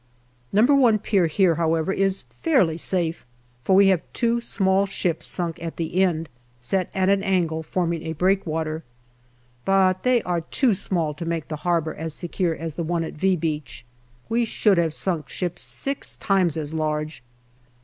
No. i Pier here, however, is fairly safe, for we have two small ships sunk at the end, set at an angle, forming a breakwater ; but they are too small to make the harbour as secure as the one at " V " Beach. We should have sunk ships six times as large.